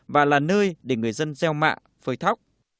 và là nơi để người dân gieo mạ phơi thóc